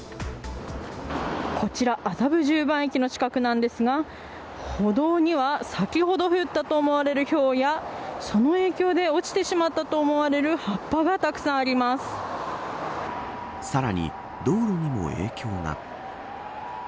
こちら麻布十番駅の近くなんですが歩道には、先ほど降ったと思われるひょうやその影響で落ちてしまったと思われるさらに道路にも影響が。